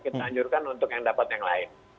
kita anjurkan untuk yang dapat yang lain